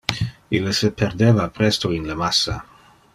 Ille se perdeva presto in le massa.